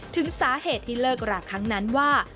ถึงสาเหตุที่เลิกราครั้งนั้นว่า